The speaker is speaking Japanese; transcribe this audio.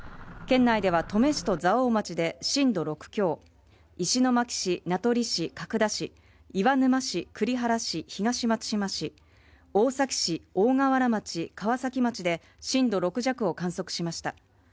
県内では登米市と蔵王町で震度６強石巻市、名取市、角田市岩沼市、栗原市、東松島市大崎市、大河原町、川崎町で震度６弱を観測しました。